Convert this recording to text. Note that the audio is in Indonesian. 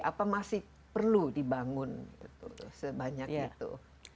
apa masih perlu dibangun sebanyak itu